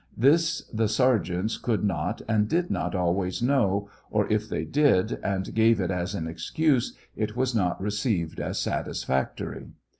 This the sergeants could not and did not always know, or if they did, and gave it as an excuse, it was not received as satisfactory.